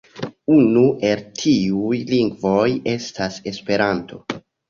Unu el tiuj lingvoj estas Esperanto.